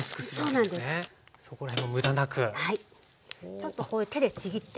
ちょっとこう手でちぎって。